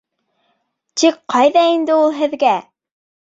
Тик ҡайҙа инде ул һеҙгә!